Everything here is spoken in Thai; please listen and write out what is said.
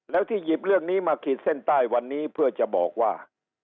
แล้วที่หยิบเรื่องนี้มาขีดเส้นใต้วันนี้เพื่อจะบอกว่า